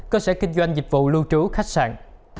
cơ sở kinh doanh dịch vụ lưu trú khách sạn